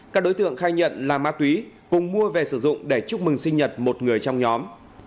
các đối tượng khai nhận là ma túy cùng mua về sử dụng để chúc mừng sinh nhật một người trong nhóm